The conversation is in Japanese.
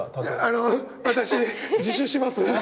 あの私自首します。